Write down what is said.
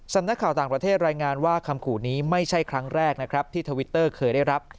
สำนักข่าวต่างประเทศรายงานว่าคำขู่นี้ไม่ใช่ครั้งแรกนะครับที่ทวิตเตอร์เคยได้รับ